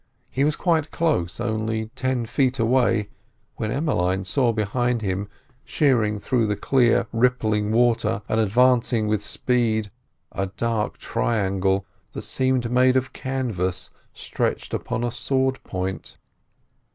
He was quite close, only ten feet away, when Emmeline saw behind him, shearing through the clear, rippling water and advancing with speed, a dark triangle that seemed made of canvas stretched upon a sword point.